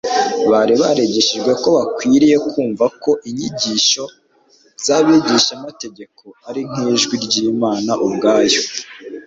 Bari barigishijwe ko bakwiriye kumva ko inyigisho z'abigishamategeko ari nk'ijwi ry'Imana ubwayo: